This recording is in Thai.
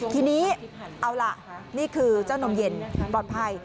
ทีนี้เอาล่ะนี่คือเจ้านมเย็นปลอดภัย